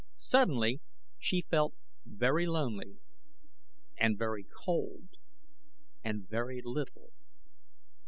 Suddenly she felt very lonely and very cold and very little.